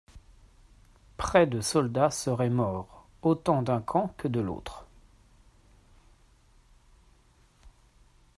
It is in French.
Près de soldats seraient morts, autant d'un camp que de l'autre.